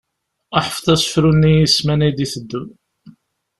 Ḥfeḍ asefru-nni i ssmanan i d-iteddun.